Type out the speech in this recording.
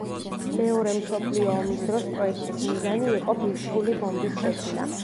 მეორე მსოფლიო ომის დროს პროექტის მიზანი იყო ბირთვული ბომბის შექმნა.